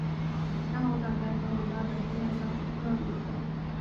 珊瑚藻在珊瑚礁的生态上有重要角色。